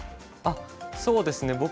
あっそうですね